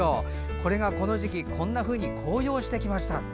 これがこの時期はこんなふうに紅葉してきました。